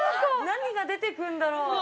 何が出てくんだろう